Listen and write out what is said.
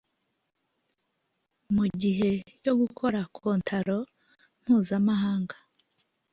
mu gihe cyo gukora kontaro mpuzamahanga